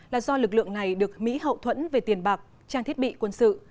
là do lực lượng này được mỹ hậu thuẫn về tiền bạc trang thiết bị quân sự